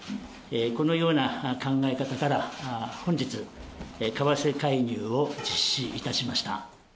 このような考え方から、本日、為替介入を実施いたしました。